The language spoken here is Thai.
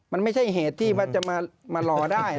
มันไม่ใช่เหตุที่ว่าจะมารอได้